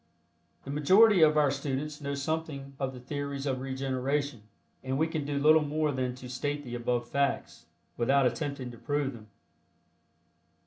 The majority of our students know something of the theories of regeneration; and we can do little more than to state the above facts, without attempting to prove them.